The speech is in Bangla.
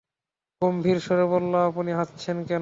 গম্ভীর স্বরে বলল, আপনি হাসছেন কেন?